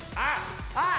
あっ！